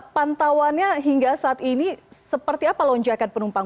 pantauannya hingga saat ini seperti apa lonjakan penumpang